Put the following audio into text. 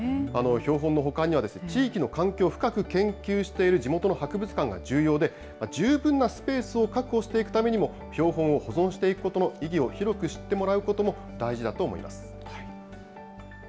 標本の保管には、地域の環境を深く研究している地元の博物館が重要で、十分なスペースを確保していくためにも、標本を保存していくことの意義を広く知ってもらうことも大事だと思います。